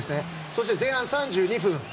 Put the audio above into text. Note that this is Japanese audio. そして前半３２分。